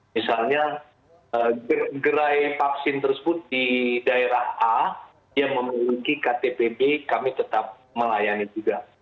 misalnya gerai vaksin tersebut di daerah a yang memiliki ktp b kami tetap melayani juga